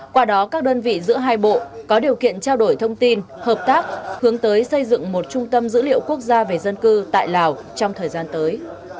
qua đó các đơn vị giữa hai bộ có điều kiện trao đổi thông tin hợp tác hướng tới xây dựng một trung tâm dữ liệu quốc gia về dân cư tại lào trong thời gian tới